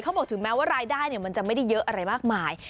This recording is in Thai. บอกถึงแม้ว่ารายได้มันจะไม่ได้เยอะอะไรมากมาย